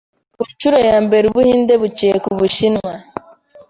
ku nshuro ya mbere Ubuhinde buciye ku bushinwa